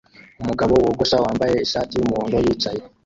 Umugabo wogosha wambaye ishati yumuhondo yicaye